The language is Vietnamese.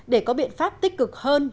để có biện pháp tích cực hơn